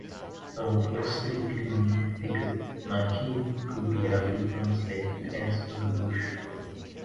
Although strictly meaning thicket, "maquis" could be roughly translated as "the bush".